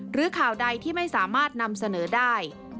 ข่าวใดที่ไม่สามารถนำเสนอได้